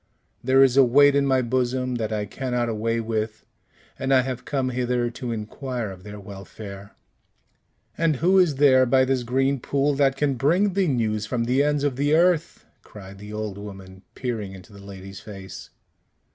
There is a weight in my bosom that I cannot away with, and I have come hither to inquire of their welfare." "And who is there by this green pool that can bring thee news from the ends of the earth?" cried the old woman, peering into the lady's face.